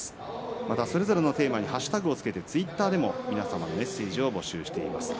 またそれぞれのテーマにハッシュタグをつけてツイッターでも皆さんのメッセージを募集しています。